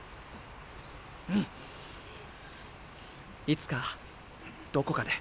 いつかどこかで。